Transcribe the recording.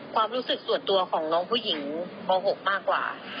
ความรู้สึกส่วนตัวของน้องผู้หญิงม๖มากกว่า